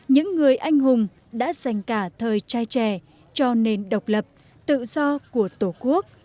những người anh hùng đã dành cả thời trai trẻ cho nền độc lập tự do của tổ quốc